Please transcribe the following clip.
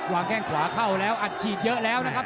แข้งขวาเข้าแล้วอัดฉีดเยอะแล้วนะครับ